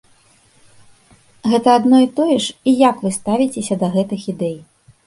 Гэта адно і тое ж і як вы ставіцеся да гэтых ідэй?